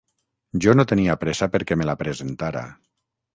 Jo no tenia pressa perquè me la presentara.